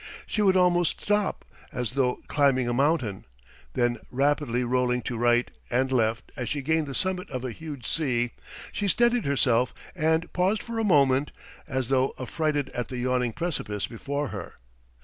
She would almost stop, as though climbing a mountain, then rapidly rolling to right and left as she gained the summit of a huge sea, she steadied herself and paused for a moment as though affrighted at the yawning precipice before her.